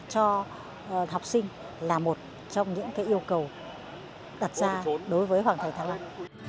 cho học sinh là một trong những yêu cầu đặt ra đối với hoàng thành thăng long